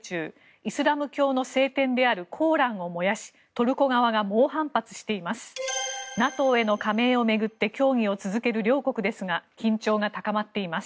イスラム教の聖典であるコーランを燃やしトルコ側が猛反発しています。